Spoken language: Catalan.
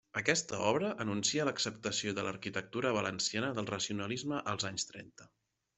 Aquesta obra anuncia l'acceptació de l'arquitectura valenciana del racionalisme als anys trenta.